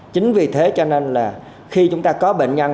chính vì thế cho nên là khi chúng ta có bệnh nhân